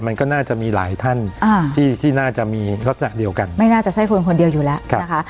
มันก็น่าจะมีหลายท่านที่น่าจะมีลักษณะเดียวกันไม่น่าจะใช่คนคนเดียวอยู่แล้วนะคะ